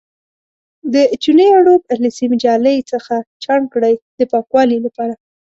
د چونې اړوب له سیم جالۍ څخه چاڼ کړئ د پاکوالي لپاره.